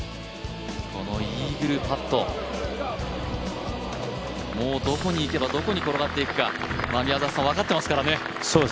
このイーグルパット、もうどこに行けばどこに転がっていくか、分かってますからね。